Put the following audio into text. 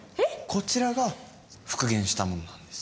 こちらが復元したものなんです